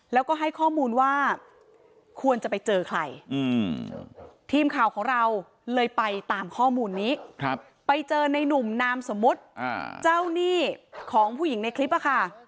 แล้วก็ให้ข้อมูลว่าควรจะไปเจอใครทีมข่าวของเราเลยไปตามข้อมูลนี้ไปเจอในนุ่มนามสมมุติเจ้าหนี้ของผู้หญิงในคลิปอะค่ะ